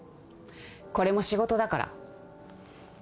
これも仕事だから。